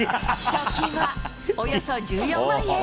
賞金はおよそ１４万円。